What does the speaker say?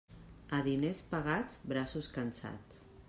A diners pagats, braços cansats.